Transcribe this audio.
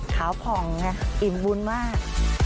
ขาวผ่องไงอิ่มบุญมาก